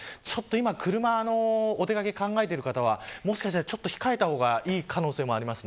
車でお出掛けを考えている方は控えた方がいい可能性もあります。